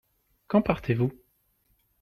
Quand partez-vous ?